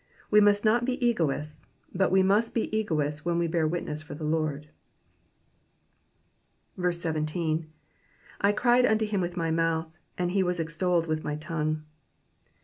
We must not be egotists, but wc must be egotists when we bear witness for the Lord. 17. ^^ I cried unto him with my mouthy and he woi extolled with my tongue.''